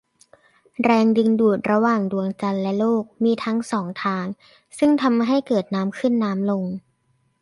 แรงดึงดูดระหว่างดวงจันทร์และโลกมีทั้งสองทางซึ่งทำให้เกิดน้ำขึ้นน้ำลง